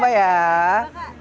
bapak kita lihat rasa